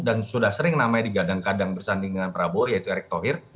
dan sudah sering namanya digadang gadang bersanding dengan prabowo yaitu erick tohir